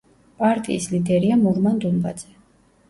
პარტიის ლიდერია მურმან დუმბაძე.